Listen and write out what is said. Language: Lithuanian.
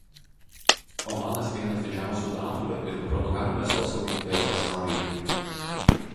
Omanas vienas didžiausių datulių ir kupranugarių mėsos augintojas pasaulyje.